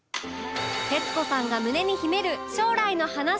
徹子さんが胸に秘める将来の話